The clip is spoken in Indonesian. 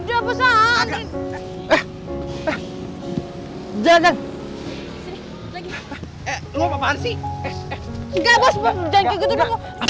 udah pegang enggak